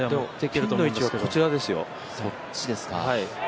でも、ピンの位置はこちらですよ。